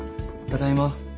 ただいま。